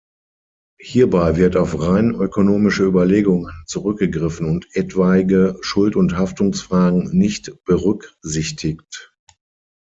Hierbei wird auf rein ökonomische Überlegungen zurückgegriffen und etwaige Schuld- und Haftungsfragen nicht berücksichtigt.